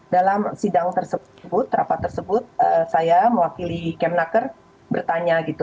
dalam sidang tersebut rapat tersebut saya mewakili kemnaker bertanya gitu